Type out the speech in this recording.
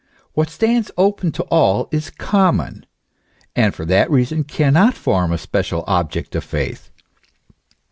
What stands open to all is common, and for that reason cannot form a special object of faith.